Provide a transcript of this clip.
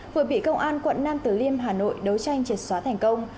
vừa bị công an quận nam tử liêm hà nội đấu tranh triệt xóa thành công